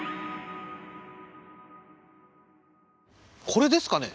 これですかね？